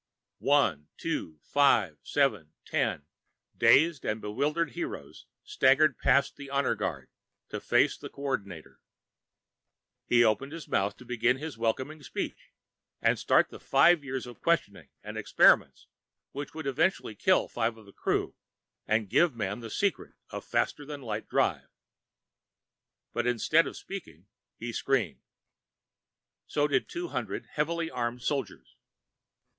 One, two, five, seven, ten dazed and bewildered "heroes" staggered past the honor guard, to face the Co ordinator. He opened his mouth to begin his welcoming speech, and start the five years of questioning and experiments which would eventually kill five of the crew and give Man the secret of faster than light drive. But instead of speaking, he screamed. So did two hundred heavily armed soldiers.